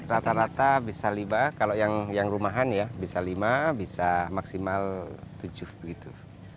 rata rata bisa lima kalau yang rumahan ya bisa lima bisa maksimal tujuh begitu